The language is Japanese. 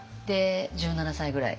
１７歳ぐらい。